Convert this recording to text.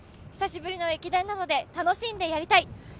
久しぶりの駅伝なので楽しんでやりたい。